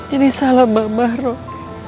ini salah mama roy